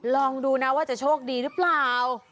ลองดูนะว่าจะโชคดีหรือเปล่า